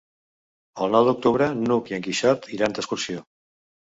El nou d'octubre n'Hug i en Quixot iran d'excursió.